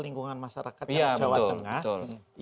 lingkungan masyarakat jawa tengah